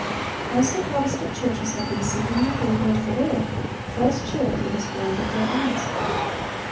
As the Protestant churches have been seeking the favor of the world, false charity has blinded their eyes.